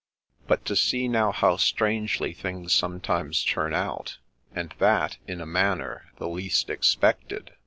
But to see now how strangely things sometimes turn out, And that in a manner the least expected